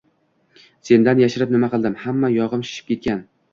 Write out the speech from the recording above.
Sendan yashirib nima qildim, hamma yog`im shishib ketgan